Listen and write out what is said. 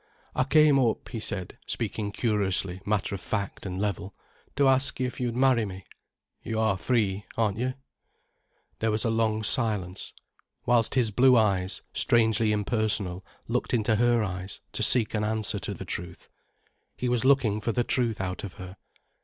"I came up," he said, speaking curiously matter of fact and level, "to ask if you'd marry me. You are free, aren't you?" There was a long silence, whilst his blue eyes, strangely impersonal, looked into her eyes to seek an answer to the truth. He was looking for the truth out of her.